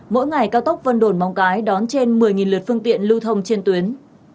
mỗi ngày cao tốc vân đồn móng cái đón trên một mươi lượt phương tiện lưu thông trên tuyến